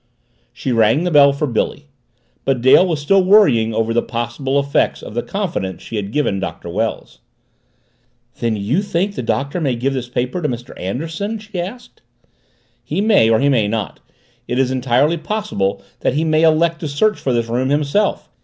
She rang the bell for Billy. But Dale was still worrying over the possible effects of the confidence she had given Doctor Wells. "Then you think the Doctor may give this paper to Mr. Anderson?" she asked. "He may or he may not. It is entirely possible that he may elect to search for this room himself!